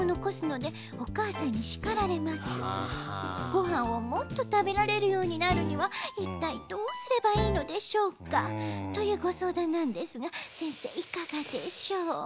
「ごはんをもっとたべられるようになるにはいったいどうすればいいのでしょうか」というごそうだんなんですがせんせいいかがでしょう。